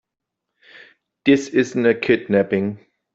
This isn't a kidnapping.